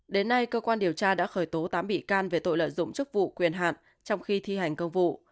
đến nay cơ quan điều tra đã khởi tố tám bị can về tội lợi dụng chức vụ quyền hạn trong khi thi hành công vụ